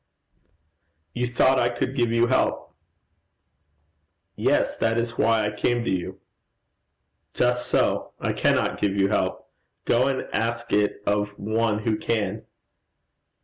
'You thought I could give you help?' 'Yes. That is why I came to you.' 'Just so. I cannot give you help. Go and ask it of one who can.'